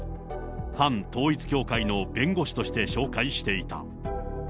反統一教会の弁護士として紹介していた。